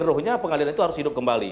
ruhnya pengadilan itu harus hidup kembali